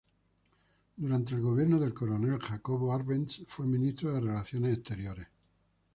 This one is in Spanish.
Durante el gobierno del coronel Jacobo Arbenz fue Ministro de Relaciones Exteriores.